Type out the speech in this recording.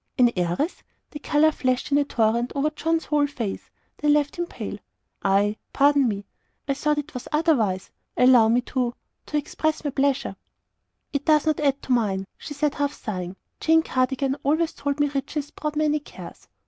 "An heiress!" The colour flashed in a torrent over John's whole face, then left him pale. "I pardon me I thought it was otherwise. Allow me to to express my pleasure " "It does not add to mine," said she, half sighing. "Jane Cardigan always told me riches brought many cares.